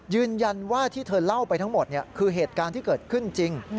ยืนยันว่าที่เธอเล่าไปทั้งหมดคือเหตุการณ์ที่เกิดขึ้นจริง